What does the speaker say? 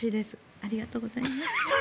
ありがとうございます。